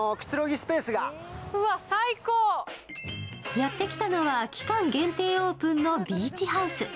やって来たのは、期間限定オープンのビーチハウス。